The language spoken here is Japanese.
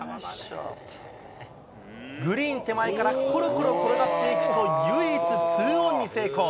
グリーン手前から、ころころ転がっていくと、唯一２オンに成功。